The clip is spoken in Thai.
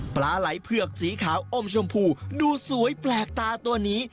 ปลาไหล่เผือกสีขาวอมชมพูดูสวยแปลกตาตัวนี้